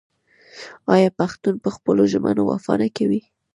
آیا پښتون په خپلو ژمنو وفا نه کوي؟